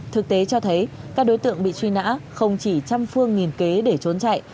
thực tế cho thấy các đối tượng bị truy nã không chỉ trăm phương nghìn kế để trốn chạy